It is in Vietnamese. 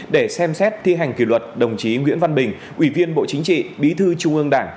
để xem xét thi hành kỷ luật đồng chí nguyễn văn bình ủy viên bộ chính trị bí thư trung ương đảng